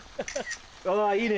あいいね！